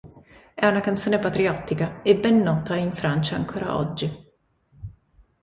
È una canzone patriottica e ben nota in Francia ancora oggi.